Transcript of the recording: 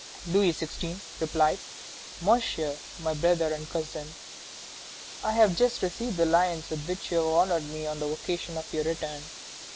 Louis XVI. replied: "MONSIEUR MY BROTHER AND COUSIN: I have just received the lines with which you have honored me on the occasion of your return.